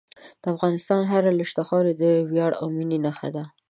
د افغانستان هره لویشت خاوره د ویاړ او مینې نښه ده.